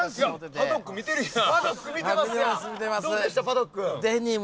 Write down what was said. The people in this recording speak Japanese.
パドック見てるやん！